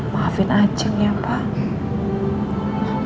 maafin ajeng ya pak